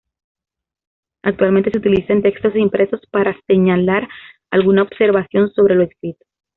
Actualmente se utiliza en textos impresos para señalar alguna observación sobre lo escrito.